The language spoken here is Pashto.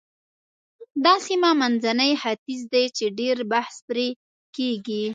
دا سیمه منځنی ختیځ دی چې ډېر بحث پرې کېږي.